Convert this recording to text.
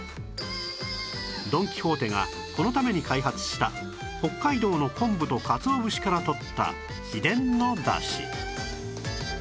ドン・キホーテがこのために開発した北海道の昆布とカツオ節からとった秘伝の出汁